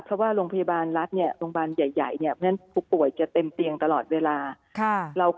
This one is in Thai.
เพราะว่าโรงพยาบาลรัฐเนี่ยโรงพยาบาลใหญ่เนี่ยเพราะฉะนั้นผู้ป่วยจะเต็มเตียงตลอดเวลา